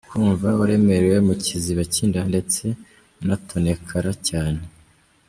Kumva uremerewe mu kiziba cy’inda ndetse unatonekara cyane.